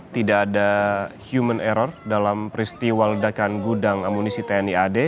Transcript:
tidak ada human error dalam peristiwa ledakan gudang amunisi tni ad